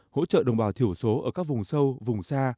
hỗ trợ đồng bào thiểu số ở các vùng sâu vùng xa